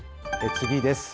次です。